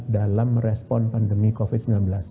dalam merespon pandemi covid sembilan belas